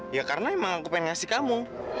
ya karena emang aku pengen ngasih kamu